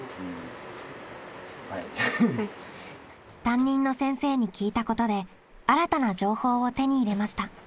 担任の先生に聞いたことで新たな情報を手に入れました。